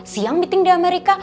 siang meeting di amerika